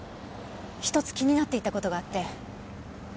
１つ気になっていた事があって。